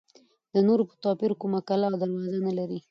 د نورو په توپیر کومه کلا او دروازه نه لري.